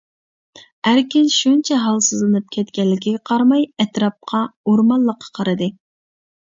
ئەركىن شۇنچە ھالسىزلىنىپ كەتكەنلىكىگە قارىماي ئەتراپقا ئورمانلىققا قارىدى.